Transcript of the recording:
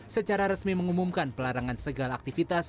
secara resmi mengumumkan pelarangan segala aktivitas